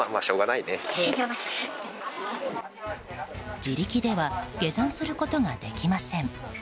自力では下山することができません。